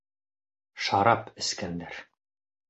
Шарап эскәндәр!